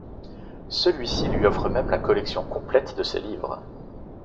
Celui-ci lui offre même la collection complète de ses livres.